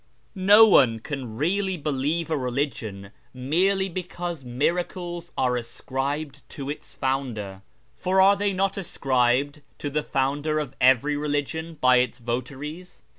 No one can Jl sh/rAz 305 really believe a religion merely because miracles are ascribed to its founder, for are they not ascribed to the founder of every religion by its votaries